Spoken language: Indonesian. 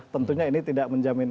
tentunya ini tidak menjamin